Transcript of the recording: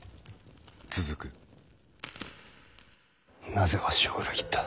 なぜわしを裏切った。